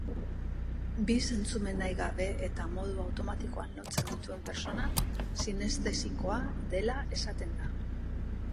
Bi zentzumen nahi gabe eta modu automatikoan lotzen dituen pertsona sinestesikoa dela esaten da.